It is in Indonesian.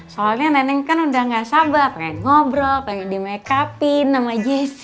soalnya neneng kan udah gak sabar pengen ngobrol pengen di make upin sama jesse